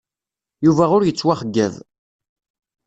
Yuba ur yettwaxeyyab.